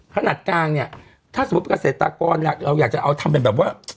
ขนาดกลางเนี่ยถ้าสมมุติเกษตรกรเราอยากจะเอาทำเป็นแบบว่า